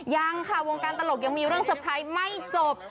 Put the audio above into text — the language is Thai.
ยังค่ะวงการตลกยังมีเรื่องเซอร์ไพรส์ไม่จบ